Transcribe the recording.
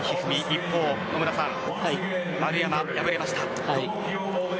一方、丸山は敗れました。